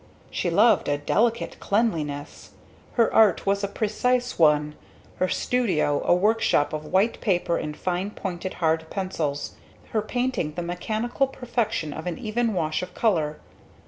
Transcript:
She loved a delicate cleanliness. Her art was a precise one, her studio a workshop of white paper and fine pointed hard pencils, her painting the mechanical perfection of an even wash of color.